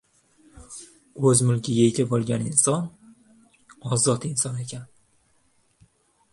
O‘z mulkiga ega bo‘lgan inson — ozod inson ekan